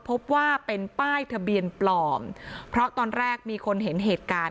พบว่าเป็นป้ายทะเบียนปลอมเพราะตอนแรกมีคนเห็นเหตุการณ์